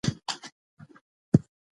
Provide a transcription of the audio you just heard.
پاڅېږه او خپل برخلیک په خپلو لاسونو ولیکه.